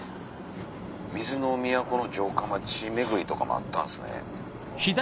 水の都の城下町巡りとかもあったんですね。